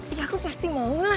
ya aku pasti mau lah